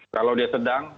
kalau dia sedang